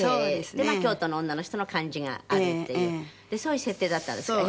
で京都の女の人の感じがあるっていうそういう設定だったんですね。